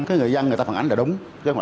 cái người dân người ta phản ánh là đúng